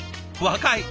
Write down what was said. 若い。